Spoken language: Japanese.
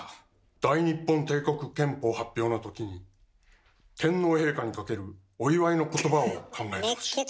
「大日本帝国憲法」発表のときに天皇陛下にかけるお祝いのことばを考えてほしい。